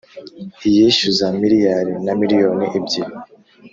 iyishyuza miliyari na miliyoni ebyiri